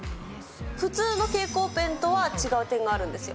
普通の蛍光ペンとは違う点があるんですよ。